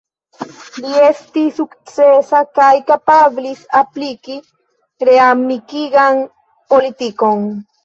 Li estis sukcesa kaj kapablis apliki reamikigan politikon.